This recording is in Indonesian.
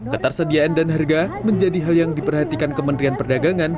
ketersediaan dan harga menjadi hal yang diperhatikan kementerian perdagangan